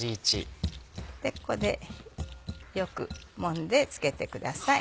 ここでよくもんで付けてください。